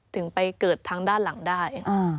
ถึงไปเกิดทางด้านหลังได้